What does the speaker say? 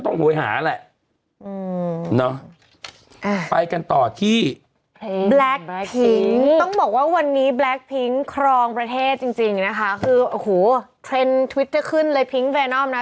เทรนด์ทวิตเตอร์ขึ้นเลยพิงก์แวนอมนะ